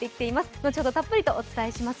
のちほどたっぷりとお伝えします。